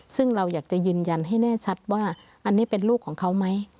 ซึ่งเราอยากจะยืนยันให้แน่ชัดว่าอันนี้เป็นลูกของเขาไหม